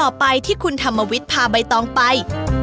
ต่อไปที่คุณธรรมวิทย์พาใบตองไป